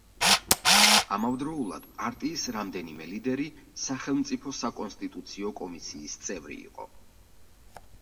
ამავდროულად პარტიის რამდენიმე ლიდერი სახელმწიფო საკონსტიტუციო კომისიის წევრი იყო.